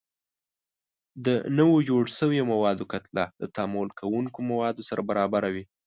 د نوو جوړ شویو موادو کتله د تعامل کوونکو موادو سره برابره وي.